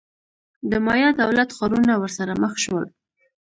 د مایا دولت-ښارونه ورسره مخ شول.